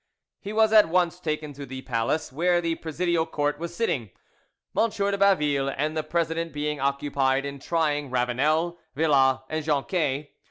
He was at once taken to the palace, where the Presidial Court was sitting, M. de Baville and the president being occupied in trying Ravanel, Villas, and Jonquet.